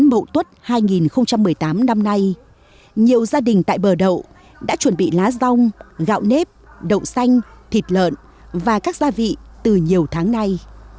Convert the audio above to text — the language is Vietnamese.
mậu tuất hai nghìn một mươi tám năm nay nhiều gia đình tại bờ đậu đã chuẩn bị lá rong gạo nếp đậu xanh thịt lợn và các gia vị từ nhiều tháng nay